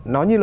nó như là